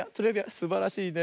すばらしいね。